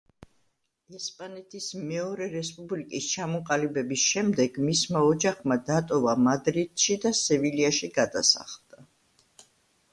ესპანეთის მეორე რესპუბლიკის ჩამოყალიბების შემდეგ, მისმა ოჯახმა დატოვა მადრიდში და სევილიაში გადასახლდა.